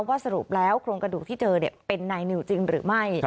สรุปแล้วโครงกระดูกที่เจอเป็นนายนิวจริงหรือไม่